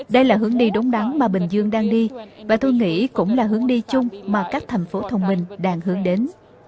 đây là hướng đi đúng đắn mà bình dương đang đi và tôi nghĩ cũng là hướng đi chung mà các thành phố thông minh đang hướng đến